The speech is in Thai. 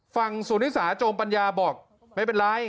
สุนิสาโจมปัญญาบอกไม่เป็นไร